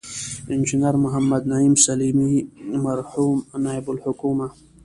انجنیر محمد نعیم سلیمي، مرحوم نایب الحکومه